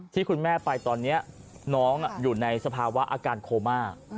ที่คุณแม่ไปตอนนี้น้องอยู่ในสภาวะอาการโคม่า